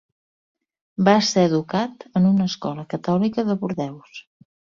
Va ser educat en una escola catòlica de Bordeus.